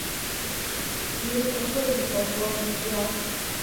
Иуҭахыз аполковник иахь?